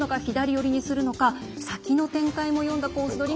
左寄りにするのか先の展開も読んだコース